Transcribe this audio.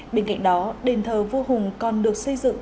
bên cạnh đó đền thờ vua hùng còn được xây dựng